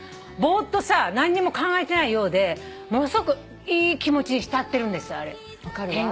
ぼーっとさ何にも考えてないようでものすごくいい気持ちに浸ってるんですよあれ。